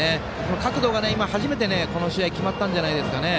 角度が今、初めてこの試合決まったんじゃないでしょうかね。